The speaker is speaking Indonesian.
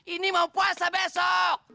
ini mau puasa besok